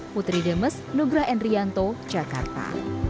putri demes nugra endrianto jakarta